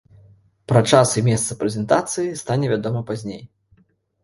Пра час і месца прэзентацыі стане вядома пазней.